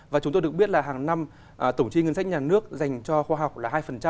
và chúng tôi được biết là hàng năm tổng chi ngân sách nhà nước dành cho khoa học là hai